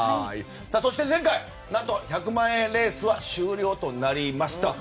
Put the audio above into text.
そして、前回何と１００万円レースは終了となりました。